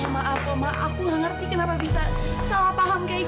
maaf oma aku nggak ngerti kenapa bisa salah paham kayak gitu